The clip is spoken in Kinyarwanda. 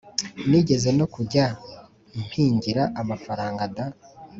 nigeze no kujya mpingira amafaranga da!